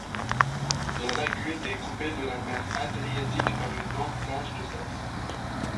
La lagune est coupée de la mer Adriatique par une longue plage de sable.